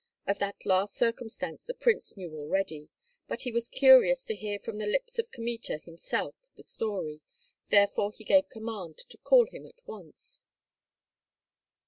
Of that last circumstance the prince knew already; but he was curious to hear from the lips of Kmita himself the story, therefore he gave command to call him at once.